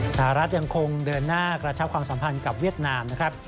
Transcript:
สหรัฐยังคงเดินหน้ากระชับความสัมพันธ์กับเวียดนามนะครับ